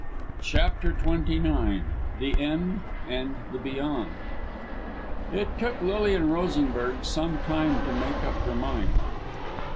CHAPTER XXIX THE END AND "THE BEYOND" It took Lilian Rosenberg some time to make up her mind.